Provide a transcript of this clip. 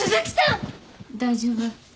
大丈夫？